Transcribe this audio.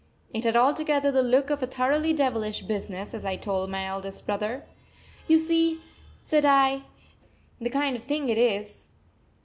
It had altogether the look of a thoroughly devilish business, as I told my eldest brother. "You see," said I, "the kind of thing it is.